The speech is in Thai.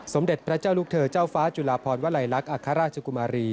สมเด็จพระเจ้าลูกเธอเจ้าฟ้าจุลาพรวลัยลักษณ์อัครราชกุมารี